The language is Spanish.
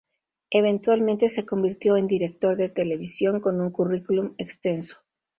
Eventualmente se convirtió en director de televisión con un currículum extenso.